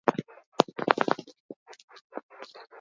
Donostiako bi familia aberatsetako ondorengoa zen.